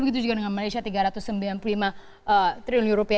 begitu juga dengan malaysia tiga ratus sembilan puluh lima triliun rupiah